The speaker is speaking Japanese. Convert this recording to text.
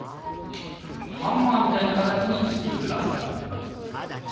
ハンマーみたいなかたちにしてください。